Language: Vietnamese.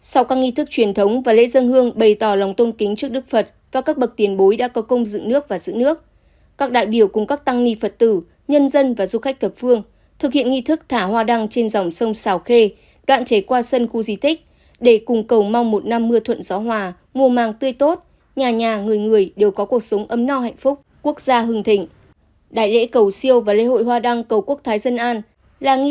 sau các nghi thức truyền thống và lễ dân hương bày tỏ lòng tôn kính trước đức phật và các bậc tiền bối đã có công dựng nước và giữ nước các đại biểu cùng các tăng ni phật tử nhân dân và du khách thập phương thực hiện nghi thức thả hoa đăng trên dòng sông sào khê đoạn chế qua sân khu di tích để cùng cầu mong một năm mưa thuận gió hòa mùa màng tươi tốt nhà nhà người người đều có cuộc sống ấm no hạnh phúc quốc gia hương thịnh